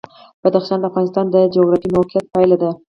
بدخشان د افغانستان د جغرافیایي موقیعت پایله ده.